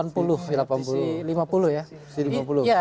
petisi lima puluh ya